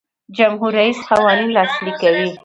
جمهور رئیس قوانین لاسلیک کوي.